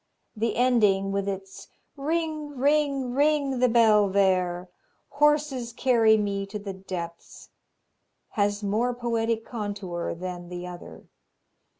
The ending, with its "Ring, ring, ring the bell there! Horses carry me to the depths," has more poetic contour than the other.